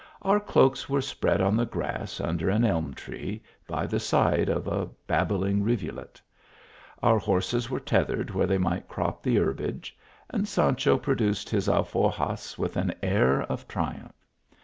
Our cloaks were spread on the grass under an elm tree, by the side of a babbling rivulet : our horses were tethered where they might crop the herbage, and Sancho produced his alforjas with an air of triumph.